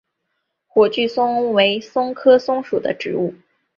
火炬松为松科松属的植物。